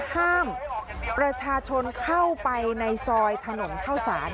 ห้ามประชาชนเข้าไปในซอยถนนเข้าสาร